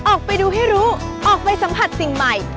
ออกไปดูให้รู้ออกไปสัมผัสสิ่งใหม่